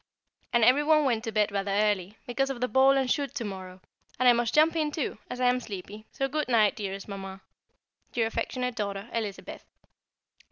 And every one went to bed rather early, because of the ball and shoot to morrow, and I must jump in too, as I am sleepy, so good night, dearest Mamma. Your affectionate daughter, Elizabeth.